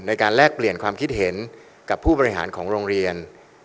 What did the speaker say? แลกเปลี่ยนความคิดเห็นกับผู้บริหารของโรงเรียน